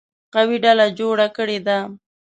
قوي ډله جوړه کړې ده.